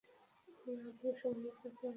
আমরা আদমশুমারির কাজে এসেছি।